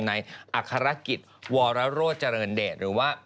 ในอัครกิจวรโรเจริญเดชหรือว่า